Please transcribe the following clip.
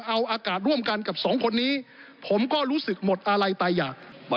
เอาอากาศร่วมกันกับสองคนนี้ผมก็รู้สึกหมดอะไรตายอยาก